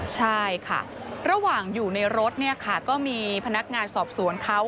ใช่ค่ะระหว่างอยู่ในรถเนี่ยค่ะก็มีพนักงานสอบสวนเขา